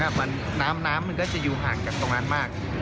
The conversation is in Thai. น้ำน้ำมันก็จะอยู่ห่างจากตรงนั้นมาก